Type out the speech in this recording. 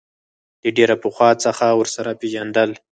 له ډېر پخوا څخه ورسره پېژندل.